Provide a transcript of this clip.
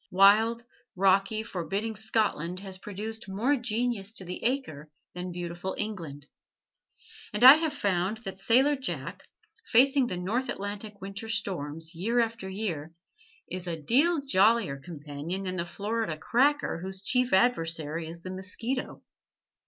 Wild, rocky, forbidding Scotland has produced more genius to the acre than beautiful England: and I have found that sailor Jack, facing the North Atlantic winter storms, year after year, is a deal jollier companion than the Florida cracker whose chief adversary is the mosquito.